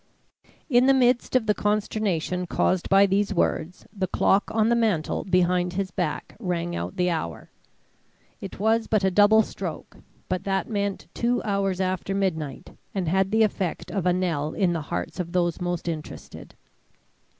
In the midst of the consternation caused by these words, the clock on the mantel behind his back rang out the hour. It was but a double stroke, but that meant two hours after midnight and had the effect of a knell in the hearts of those most interested.